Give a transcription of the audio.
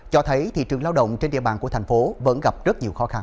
cho thấy thị trường lao động trên địa bàn của thành phố vẫn gặp rất nhiều khó khăn